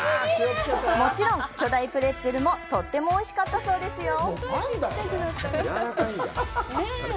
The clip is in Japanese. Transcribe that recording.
もちろん、巨大プレッツェルも、とってもおいしかったそうですよ！